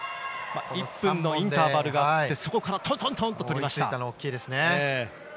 １分のインターバルがあってそこからトントントンと取りました。